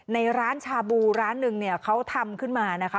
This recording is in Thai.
ในร้านชาบูร้านหนึ่งเนี่ยเขาทำขึ้นมานะคะ